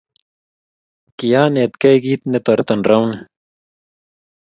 kianetgei kit netorton rauni